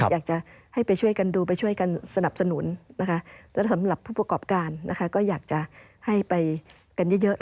อยากจะให้ไปช่วยกันดูไปช่วยกันสนับสนุนนะคะแล้วสำหรับผู้ประกอบการนะคะก็อยากจะให้ไปกันเยอะ